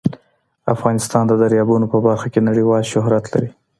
افغانستان د دریابونه په برخه کې نړیوال شهرت لري.